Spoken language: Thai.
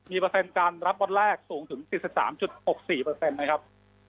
มีเปอร์เซ็นต์การรับวันแรกสูงถึงสิบสิบสามจุดหกสี่เปอร์เซ็นต์นะครับ